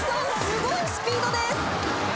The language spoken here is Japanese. すごいスピードです。